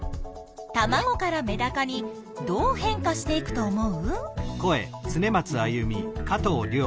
たまごからメダカにどう変化していくと思う？